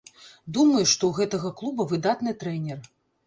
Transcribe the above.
Думаю, што ў гэтага клуба выдатны трэнер.